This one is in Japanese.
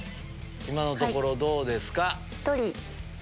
今のところどうですか？